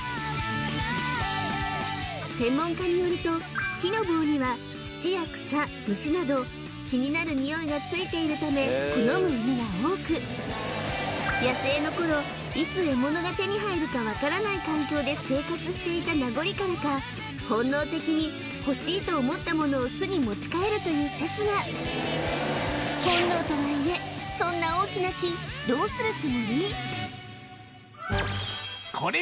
専門家によると木の棒には土や草虫など気になるニオイがついているため好む犬が多く野生の頃いつ獲物が手に入るか分からない環境で生活していた名残からか本能的に欲しいと思ったものを巣に持ち帰るという説が本能とはいえそんな大きな木どうするつもり？